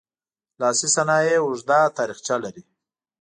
لاسي صنایع اوږده تاریخچه لري.